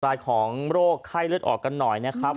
รายของโรคไข้เลือดออกกันหน่อยนะครับ